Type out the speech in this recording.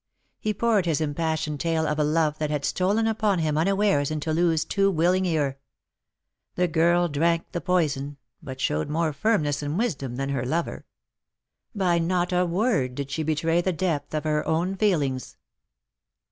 He poured his impassioned tale of a love that had stolen upon him unawares into Loo's too will ing ear. The girl drank the poison, but showed more firmness and wisdom than her lover. By not a word did she betray the depth of her own feelings.